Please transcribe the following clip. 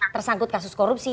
tersangkut kasus korupsi